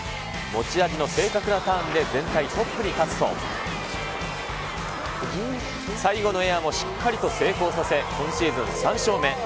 持ち味の正確なターンで全体トップに立つと、最後のエアもしっかりと成功させ、今シーズン、３勝目。